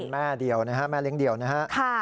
แม่เลี้ยงเดี่ยวนะครับ